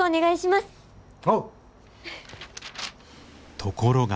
ところが。